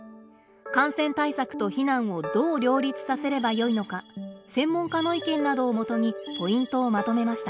感染対策と避難をどう両立させればよいのか専門家の意見などをもとにポイントをまとめました。